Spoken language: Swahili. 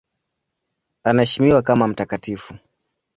Anaheshimiwa kama mtakatifu.